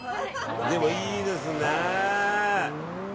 でもいいですね。